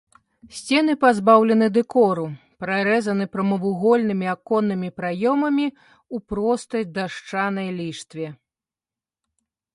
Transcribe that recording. Сцены пазбаўлены дэкору, прарэзаны прамавугольнымі аконнымі праёмамі ў простай дашчанай ліштве.